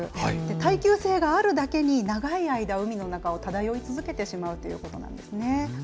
耐久性があるだけに、長い間、海の中を漂い続けてしまうということなんですね。